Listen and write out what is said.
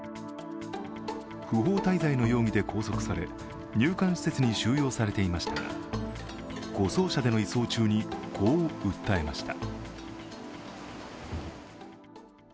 不法滞在の容疑で拘束され入管施設に収容されていましたが護送車での移送中にこう訴えました。